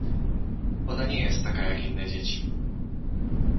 — Ona nie jest taka, jak inne dzieci.